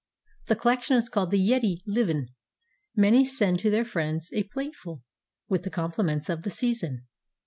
The collection is called the yeddi luvn. Many send to their friends a plateful, with the compli ments of the season.